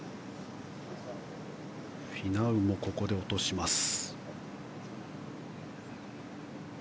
フィナウもここで落とします。